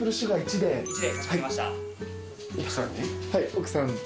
奥さんに？